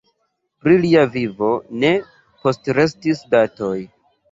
Pri lia vivo ne postrestis datoj.